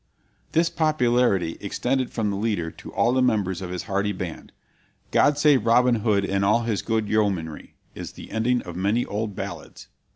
This popularity extended from the leader to all the members of his hardy band. "God save Robin Hood and all his good yeomanry" is the ending of many old ballads.